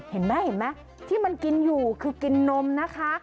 เห็นไหมเห็นไหมที่มันกินอยู่คือกินนมนะคะ